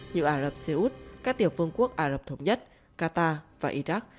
như ả rập xê út các tiểu vương quốc ả rập thống nhất qatar và iraq